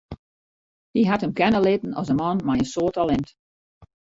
Hy hat him kenne litten as in man mei in soad talint.